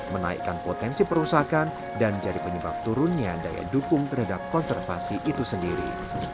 menaikkan potensi perusakan dan jadi penyebab turunnya daya dukung terhadap konservasi itu sendiri